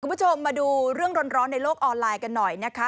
คุณผู้ชมมาดูเรื่องร้อนในโลกออนไลน์กันหน่อยนะคะ